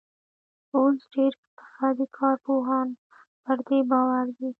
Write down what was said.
اوس ډېر اقتصادي کارپوهان پر دې باور دي